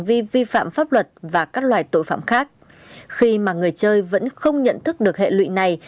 vì vi phạm pháp luật và các loài tội phạm khác khi mà người chơi vẫn không nhận thức được hệ lụy này